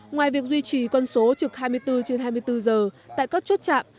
ngoài việc duy trì quân số trực hai mươi bốn trên hai mươi bốn giờ tại các chốt chạm